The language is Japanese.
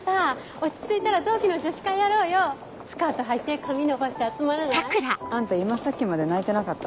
落ち着いたら同期のスカートはいて髪伸ばして集まらないあんた今さっきまで泣いてなかった？